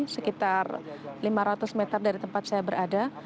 sekitar lima ratus meter dari tempat saya berada